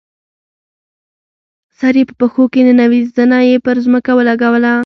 سر یې په پښو کې ننویست، زنه یې پر ځمکه ولګوله.